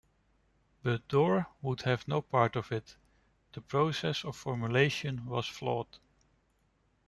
But Dorr would have no part of it; the process of formulation was flawed.